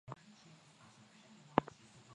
Duniani inashika nafasi ya sitini na tisa